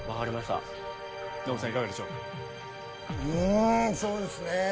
うんそうですね